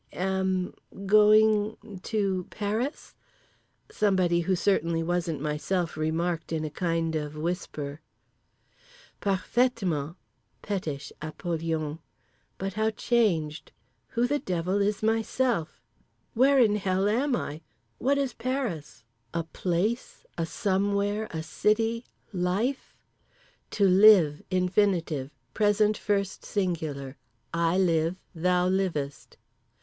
Am? Going? To? Paris?" somebody who certainly wasn't myself remarked in a kind of whisper. "Parfaitement."—Pettish. Apollyon. But how changed. Who the devil is myself? Where in Hell am I? What is Paris—a place, a somewhere, a city, life; (to live: infinitive. Present first singular: I live. Thou livest).